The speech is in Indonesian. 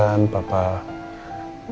ya kan papa harus pasang perban